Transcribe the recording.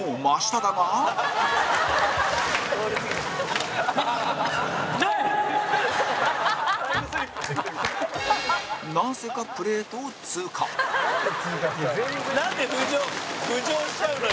高橋：なんで通過しちゃうのよ。